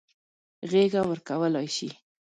غېږه ورکولای شي.